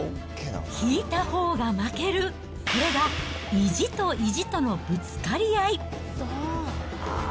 引いたほうが負ける、これは意地と意地とのぶつかり合い。